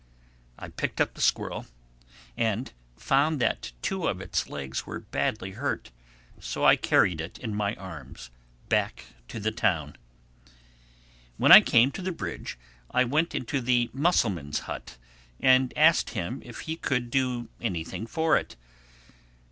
I picked the squirrel up and found that two of its legs were badly hurt. So I carried it in my arms back to the town. When I came to the bridge I went into the mussel man's hut and asked him if he could do anything for it.